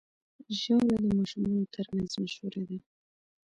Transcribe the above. ژاوله د ماشومانو ترمنځ مشهوره ده.